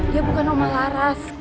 dia bukan omah laras